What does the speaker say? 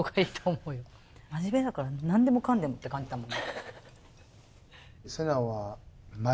真面目だから何でもかんでもって感じだもん。